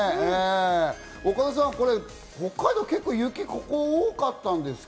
岡田さん、北海道、結構、雪、ここ多かったんですか？